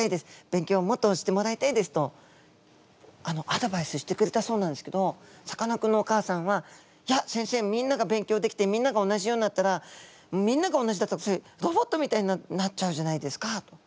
勉強をもっとしてもらいたいです」とアドバイスしてくれたそうなんですけどさかなクンのお母さんは「いや先生みんなが勉強できてみんなが同じようになったらみんなが同じだったらそれロボットみたいになっちゃうじゃないですか」と。